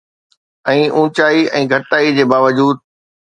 ۽ اونچائي ۽ گهٽتائي جي باوجود